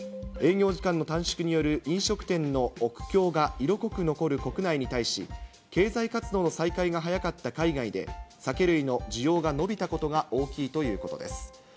営業時間の短縮による飲食店の苦境が色濃く残る国内に対し、経済活動の再開が早かった海外で、酒類の需要が伸びたことが大きいということです。